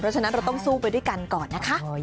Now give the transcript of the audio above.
ฉะนั้นเราต้องสู้ไปด้วยกันก่อนนะคะ